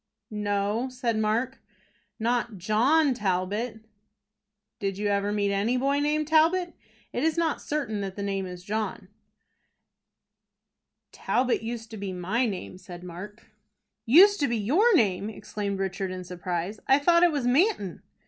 "No," said Mark, "not John Talbot." "Did you ever meet any boy named Talbot? It is not certain that the name is John." "Talbot used to be my name," said Mark. "Used to be your name!" exclaimed Richard, in surprise. "I thought it was Manton."